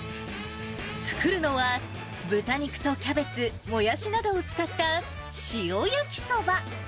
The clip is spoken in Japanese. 作るのは、豚肉とキャベツ、もやしなどを使った塩焼きそば。